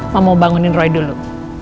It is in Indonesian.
mama mau bangunin roy dulu